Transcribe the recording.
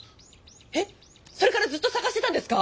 えっそれからずっと探してたんですか？